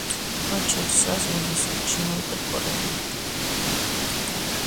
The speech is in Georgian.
მათ შორისაა ინგლისური, ჩინური, კორეული.